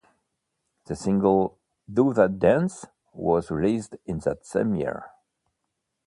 The single "Do That Dance", was released in that same year.